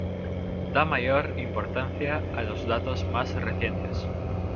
Da mayor importancia a los datos más recientes.